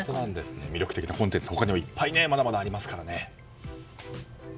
魅力的なコンテンツ、まだまだ他にもいっぱいありますからね。